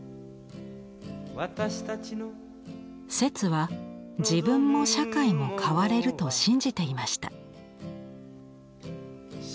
摂は自分も社会も変われると信じていました。